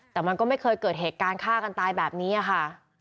แต่มันก็ไม่เคยเกิดเหตุการณ์ฆ่ากันตายแบบนี้ค่ะ